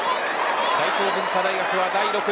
大東文化大学は第６位。